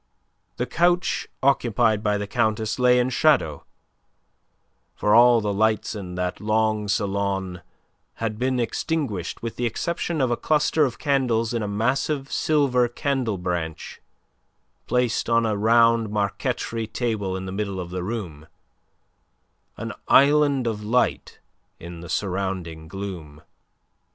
The couch occupied by the Countess lay in shadow; for all the lights in that long salon had been extinguished with the exception of a cluster of candles in a massive silver candle branch placed on a round marquetry table in the middle of the room an island of light in the surrounding gloom.